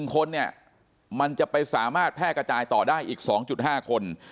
๑คนเนี่ยมันจะไปสามารถแพร่กระจายต่อได้อีก๒๕คน